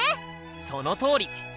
そのとおり！